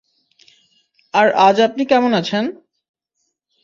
আর আজ আপনি কেমন আছেন?